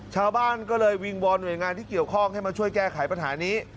ชาวบ้านก็เลยวิงวอนหน่วยงานที่เกี่ยวข้องให้มาช่วยแก้ไขปัญหานี้